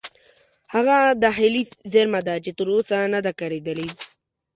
هغه داخلي زیرمه ده چې تر اوسه نه ده کارېدلې.